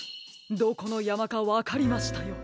どこのやまかわかりましたよ。